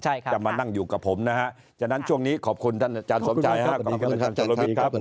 จะมานั่งอยู่กับผมนะฮะฉะนั้นช่วงนี้ขอบคุณท่านอาจารย์สมชายครับ